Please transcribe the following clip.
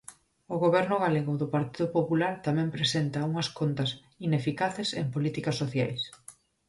O Goberno galego do Partido Popular tamén presenta unhas contas ineficaces en políticas sociais.